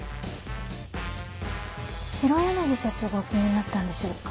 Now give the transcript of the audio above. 白柳社長がお決めになったんでしょうか？